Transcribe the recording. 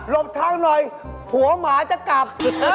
หลบทางหน่อยหัวหมาจะกลับ